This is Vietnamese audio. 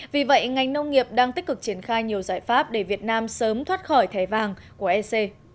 vì vậy ngành nông nghiệp đang tích cực triển khai nhiều giải pháp để việt nam sớm thoát khỏi thẻ vàng của ec